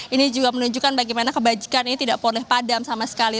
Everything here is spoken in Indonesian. ini juga menunjukkan bagaimana kebajikan ini tidak boleh padam sama sekali